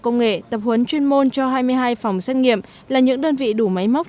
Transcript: công nghệ tập huấn chuyên môn cho hai mươi hai phòng xét nghiệm là những đơn vị đủ máy móc